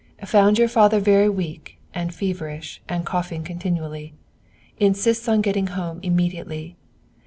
Found your father very weak and feverish and coughing continually. Insists on getting home immediately.